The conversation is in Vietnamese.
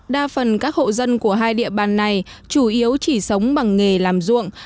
đa phần các hộ dân của hai địa bàn này chủ yếu chỉ sống bằng nghề làm ruộng